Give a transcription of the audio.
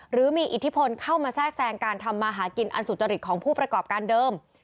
หรือมีอิทธิพลเข้ามาแทรกแทรงการทำมาหากินอันสุจริตของผู้ประกอบการเดิม